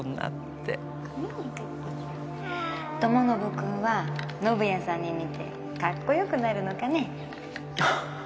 友宣君は宣也さんに似てかっこよくなるのかね。